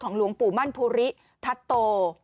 ของหลวงปู่มั่นพุริทัศโต